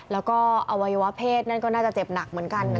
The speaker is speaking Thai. แล้วก็อวัยวะเพศนั่นก็น่าจะเจ็บหนักเหมือนกันนะ